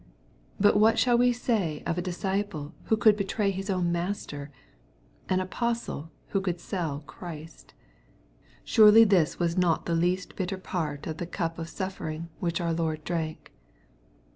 ^ But what shall we say of a disci ple who could betray his own Master, — ^an api^stle who could sell Christ ? Surely this was not the least bitter part of the cup of suffering which our Lord drank.